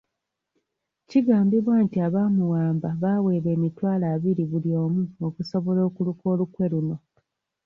Kigambibwa nti abaamuwamba baaweebwa emitwalo abiri buli omu okusobola okuluka olukwe luno.